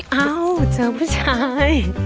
อุ้ยอ้าวเจอผู้ชาย